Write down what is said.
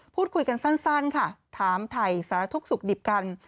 พูดคุยกันสั้นค่ะถามถ่ายสารทุกข์สุขดิบกัน